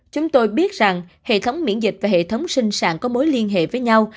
chúng tôi biết rằng hệ thống miễn dịch và hệ thống sinh sản có mối liên hệ với nhau